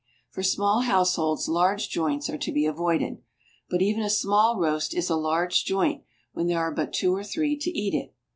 For small households large joints are to be avoided, but even a small roast is a large joint when there are but two or three to eat it.